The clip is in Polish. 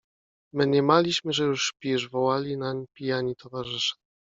Mniemaliśmy, że już śpisz — wołali nań pijani towarzysze.